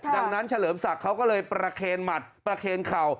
ดังนั้นเฉลิมศักดิ์เขาก็เลยประเคนหมัดประเคนเข่า